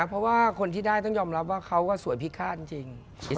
เพราะว่าคนที่คือได้ต้องยอมรับว่าเขาสวยพิคารจริงจริง